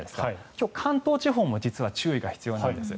今日、関東地方も実は注意が必要なんです。